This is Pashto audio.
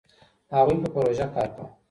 هغوی په پروژه کار کاوه.